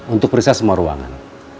untuk periksa semua ruangan